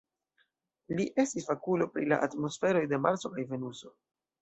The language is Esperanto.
Li estis fakulo pri la atmosferoj de Marso kaj Venuso.